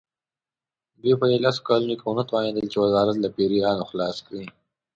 دوی په دې لسو کالو کې ونه توانېدل چې وزارت له پیریانو خلاص کړي.